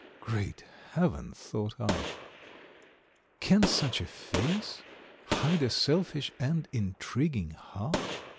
"Great heaven!" thought I, "can such a face hide a selfish and intriguing heart?"